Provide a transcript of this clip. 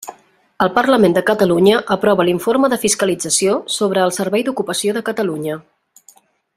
El Parlament de Catalunya aprova l'Informe de fiscalització, sobre el Servei d'Ocupació de Catalunya.